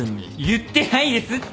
言ってないですって！